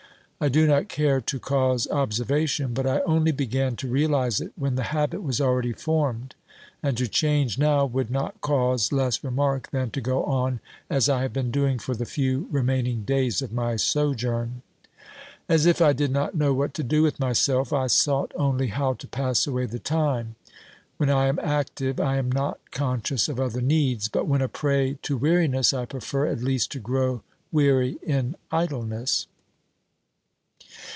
I do not care to cause observation, but I only began to realise it when the habit was already formed, and to change now would not cause less remark than to go on as I have been doing for the few remaining days of my sojourn. As if I did not know what to do with myself, I sought only how to pass away the time. When I am active I am not con scious of other needs, but when a prey to weariness I prefer at least to grow weary in idleness.